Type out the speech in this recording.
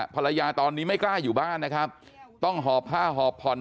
ภรรยาตอนนี้ไม่กล้าอยู่บ้านนะครับต้องหอบผ้าหอบผ่อน